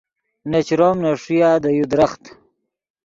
نے چروم نے ݰویا دے یو درخت